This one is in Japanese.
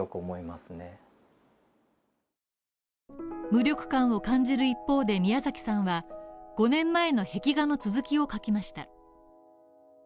無力感を感じる一方で、ミヤザキさんは５年前の壁画の続きを描きました。